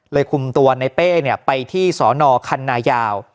เลยคุมตัวนายเป้นี่เนี่ยไปที่สอนคันนายาว